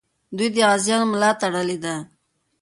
دوی د غازیانو ملا تړلې ده.